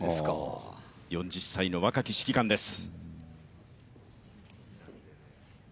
４０歳の若き指揮官です。